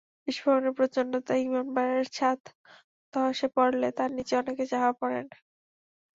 বিস্ফোরণের প্রচণ্ডতায় ইমামবাড়ার ছাদ ধসে পড়লে তার নিচে অনেকে চাপা পড়েন।